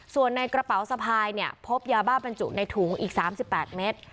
ส่วนในกระเป๋าสะพายเนี่ยพบยาบ้าบรรจุในถุงอีก๓๘เมตร